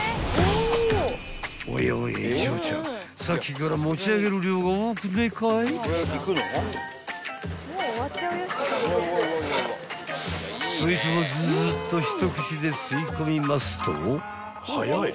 ［おいおいお嬢ちゃんさっきから持ち上げる量が多くねえかい？］［そいつもズズッと一口で吸い込みますと］